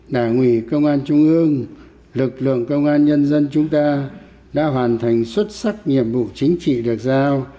đảng ủy công an trung ương lực lượng công an nhân dân chúng ta đã hoàn thành xuất sắc nhiệm vụ chính trị được giao